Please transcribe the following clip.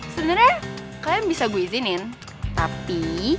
sebenarnya kalian bisa gue izinin tapi